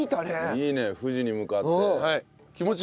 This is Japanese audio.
いいね富士に向かって。